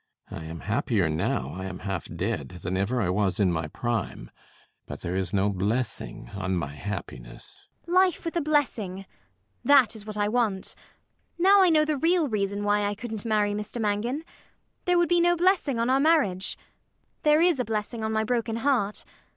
I am happier now I am half dead than ever I was in my prime. But there is no blessing on my happiness. ELLIE [her face lighting up]. Life with a blessing! that is what I want. Now I know the real reason why I couldn't marry Mr Mangan: there would be no blessing on our marriage. There is a blessing on my broken heart.